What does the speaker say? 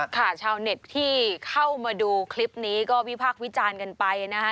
ชาวเน็ตที่เข้ามาดูคลิปนี้ก็วิพากษ์วิจารณ์กันไปนะคะ